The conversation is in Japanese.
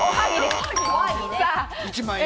１万円。